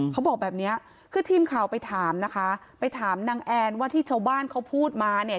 เขาบอกแบบเนี้ยคือทีมข่าวไปถามนะคะไปถามนางแอนว่าที่ชาวบ้านเขาพูดมาเนี่ย